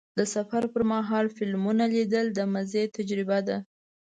د سفر پر مهال فلمونه لیدل د مزې تجربه ده.